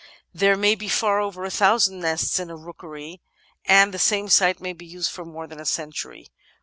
There may be far over a thousand nests in a rookery, and the same site may be used for more than a century.